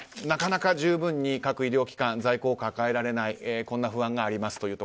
なかなか十分に各医療機関在庫を抱えられないという不安がありますと。